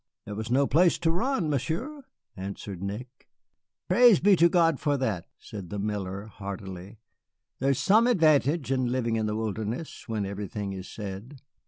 "There was no place to run, Monsieur," answered Nick. "Praise be to God for that!" said the miller, heartily; "there is some advantage in living in the wilderness, when everything is said."